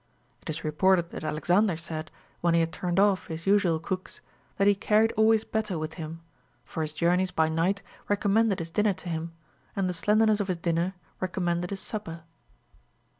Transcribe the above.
It is re ported that Alexander said, when he had turned off his usual cooks, that he carried always better with him ; for his journeys by night recommended his dinner to him, and the slenderness of his dinner recommended his supper.